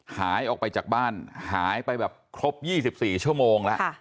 หายออกไปจากบ้านหายไปแบบครบ๒๔ชั่วโมงแล้ว